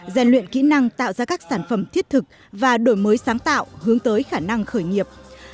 gian luyện kỹ năng tạo ra các sản phẩm thiết thực và đổi mới sáng tạo hướng tới khả năng khởi nghiệp